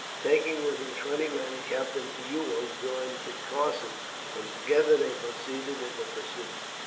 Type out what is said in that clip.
Taking with him twenty men, Captain Ewell joined Kit Carson, and together they proceeded in the pursuit.